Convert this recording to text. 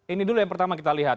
ini dulu yang pertama kita lihat